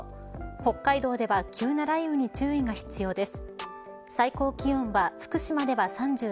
北海道では急な雷雨に注意が必要です。